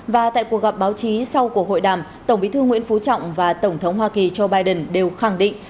và tại cuộc gặp báo chí sau cuộc hội đàm tổng bí thư nguyễn phú trọng và tổng thống hoa kỳ joe biden đều khẳng định